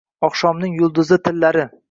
… Oqshomning yulduzli tillari